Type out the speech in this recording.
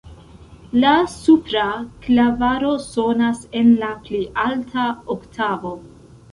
La supra klavaro sonas en la pli alta oktavo.